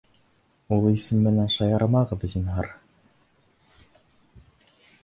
— Ул исем менән шаярмағыҙ, зинһар.